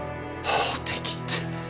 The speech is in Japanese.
法的って。